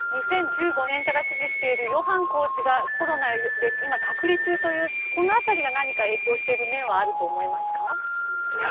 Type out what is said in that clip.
２０１５年から師事しているヨハンコーチがコロナで今、隔離中というこの辺りが何か影響している面はあると思いますか？